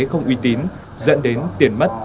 không uy tín dẫn đến tiền mất